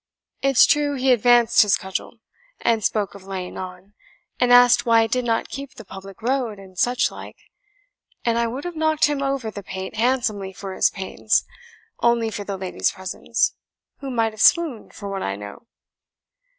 It's true, he advanced his cudgel, and spoke of laying on, and asked why I did not keep the public road, and such like; and I would have knocked him over the pate handsomely for his pains, only for the lady's presence, who might have swooned, for what I know."